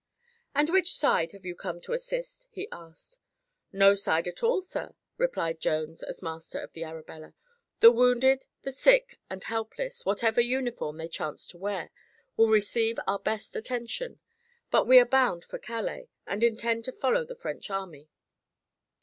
"And which side have you come to assist?" he asked. "No side at all, sir," replied Jones, as master of the Arabella. "The wounded, the sick and helpless, whatever uniform they chance to wear, will receive our best attention. But we are bound for Calais and intend to follow the French army."